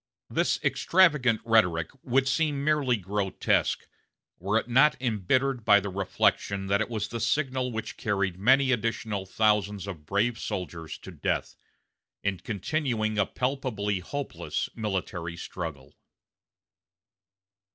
This extravagant rhetoric would seem merely grotesque, were it not embittered by the reflection that it was the signal which carried many additional thousands of brave soldiers to death, in continuing a palpably hopeless military struggle.